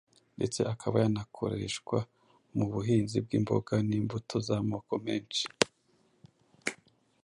ndetse akaba yanakoreshwa mu buhinzi bw’imboga n’imbuto z’amoko menshi